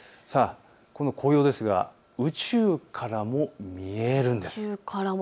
この紅葉ですが宇宙からも見えるんです。